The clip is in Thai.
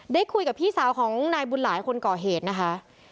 ได้คุยกับพี่สาวของนายบุญหลายคนก่อเหตุนะคะ